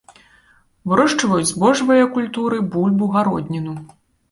Вырошчваюць збожжавыя культуры, бульбу, гародніну.